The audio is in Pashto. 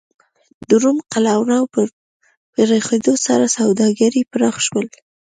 د روم قلمرو په پراخېدو سره سوداګري پراخ شول